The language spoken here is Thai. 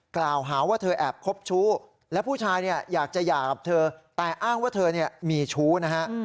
กล่าวหาว่าเธอแอบคบชู้และผู้ชายเนี่ยอยากจะหย่ากับเธอแต่อ้างว่าเธอมีชู้นะฮะ